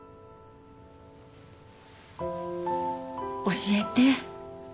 教えて。